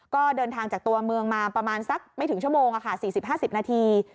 ก็เดินทางจากตัวเมืองมาประมาณสักไม่ถึงชั่วโมง๔๐๕๐นาที